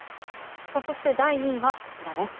そして、第２位はこちらです。